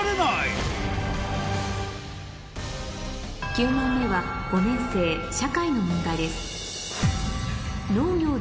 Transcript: ９問目は５年生社会の問題です